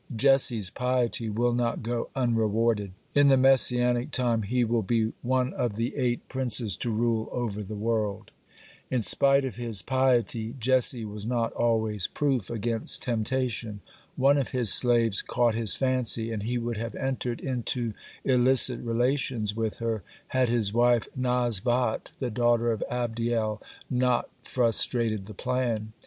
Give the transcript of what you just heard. Jesse's piety will not go unrewarded. In the Messianic time he will be one of the eight princes to rule over the world. (10) In spite of his piety, Jesse was not always proof against temptation. One of his slaves caught his fancy, and he would have entered into illicit relations with her, had his wife, Nazbat, the daughter of Adiel, not frustrated the plan.